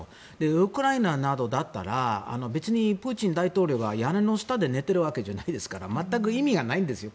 ウクライナなどだったら別にプーチン大統領が屋根の下で寝ているわけじゃないですから全く意味がないんですよ